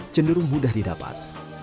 cenderung mudah didapat